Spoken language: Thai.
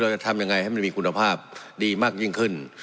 จะทำยังไงให้มันมีคุณภาพดีมากยิ่งขึ้น